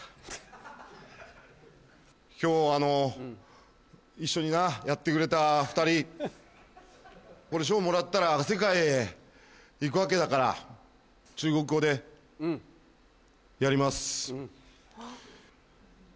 今日一緒になやってくれた２人賞もらったら世界へ行くわけだから中国語でやります。